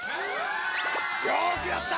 よくやった！